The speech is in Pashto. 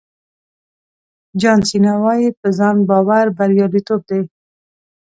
جان سینا وایي په ځان باور بریالیتوب دی.